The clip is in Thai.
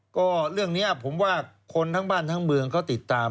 ก็เรื่องนี้ผมว่าคนทั้งบ้านทั้งเมืองเขาติดตาม